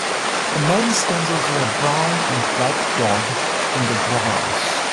A man stands over a brown and black dog in the grass.